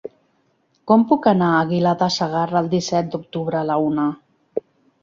Com puc anar a Aguilar de Segarra el disset d'octubre a la una?